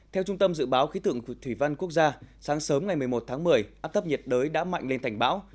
theo trung tâm dự báo khí tượng thủy văn quốc gia sáng sớm ngày một mươi một tháng một mươi áp thấp nhiệt đới đã mạnh lên thành bão